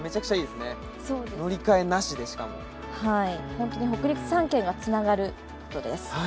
本当に北陸３県がつながるということです。